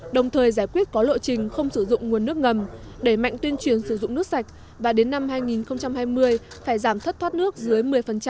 đồng thời giải quyết có lộ trình không sử dụng nguồn nước ngầm đẩy mạnh tuyên truyền sử dụng nước sạch và đến năm hai nghìn hai mươi phải giảm thất thoát nước dưới một mươi